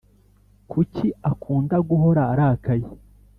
Kuki akunda guhora arakaye